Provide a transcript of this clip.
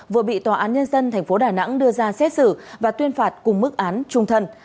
vừa bị tòa án nhân dân tp đà nẵng đưa ra xét xử và tuyên phạt cùng mức án trung thân